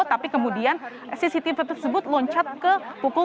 tapi kemudian cctv tersebut loncat ke pukul tujuh